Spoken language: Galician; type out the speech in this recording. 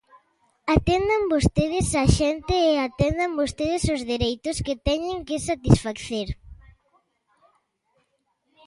Atendan vostedes a xente e atendan vostedes os dereitos que teñen que satisfacer.